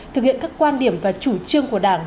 thực hiện các quan điểm và chủ trương của đảng